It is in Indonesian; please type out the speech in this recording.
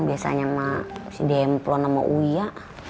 biasanya sama si demplo sama uya